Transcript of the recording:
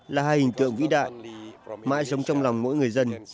là hai hình tượng vĩ đại mãi giống trong lòng mỗi người dân